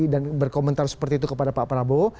dan berkomentar seperti itu kepada pak prabowo